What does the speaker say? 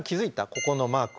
ここのマーク。